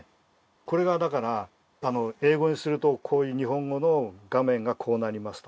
これがだから英語にするとこういう日本語の画面がこうなりますとかね。